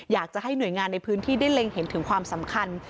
อยากจะให้หน่วยงานในพื้นที่ได้เล็งเห็นถึงความสำคัญ